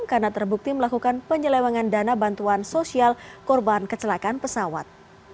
karena terbukti melakukan penyelewangan dana bantuan sosial korban kecelakaan pesawat